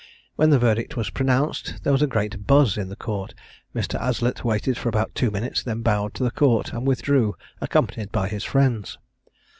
When the verdict was pronounced, there was a great buz in the Court: Mr. Aslett waited for about two minutes, then bowed to the Court, and withdrew, accompanied by his friends.